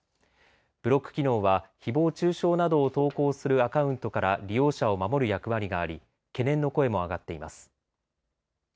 ブロック機能はひぼう中傷などを投稿するアカウントから利用者を守る役割があり懸念の声も上がっています。